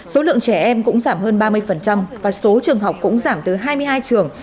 số lượng trẻ em cũng giảm hơn ba mươi và số trường học cũng giảm từ hai mươi hai trường